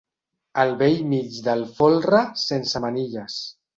Al bell mig del folre, sense manilles.